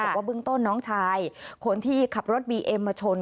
บอกว่าเบื้องต้นน้องชายคนที่ขับรถบีเอ็มมาชน